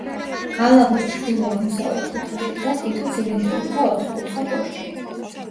გალავნის ჩრდილო-აღმოსავლეთ კუთხეში დგას თითო ცილინდრული და ოთხკუთხა კოშკი.